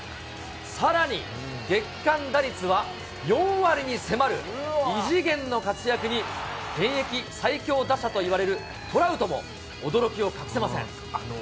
さらに、月間打率は４割に迫る異次元の活躍に、現役最強打者といわれるトラウトも驚きを隠せません。